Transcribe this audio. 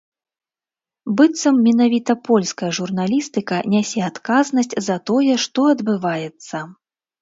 Быццам менавіта польская журналістыка нясе адказнасць за тое, што адбываецца.